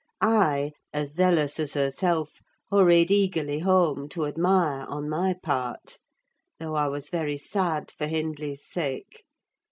I, as zealous as herself, hurried eagerly home to admire, on my part; though I was very sad for Hindley's sake.